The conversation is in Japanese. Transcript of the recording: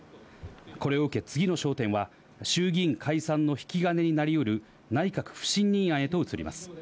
これを受け、次の焦点は、衆議院解散の引き金になりうる内閣不信任案へと移ります。